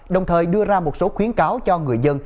đồng thời đưa ra một số khuyến cáo cho người dân